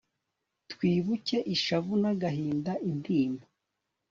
twibuke ishavu n'agahinda, intimba